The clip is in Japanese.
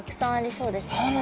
そうなんですね。